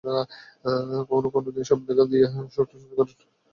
কখনও কখনও তিনি স্বপ্নে দেখা দিয়া শক্তি সঞ্চার করেন।